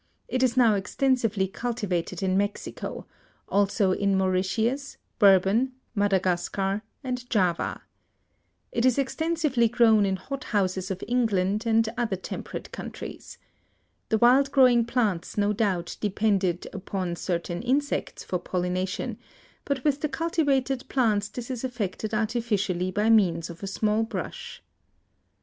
It is now extensively cultivated in Mexico; also in Mauritius, Bourbon, Madagascar and Java. It is extensively grown in hot houses of England and other temperate countries. The wild growing plants no doubt depended upon certain insects for pollination, but with the cultivated plants this is effected artificially by means of a small brush.